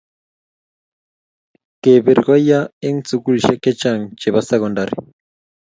kepir ko yaa eng sukulisiek chechang chepo sekondari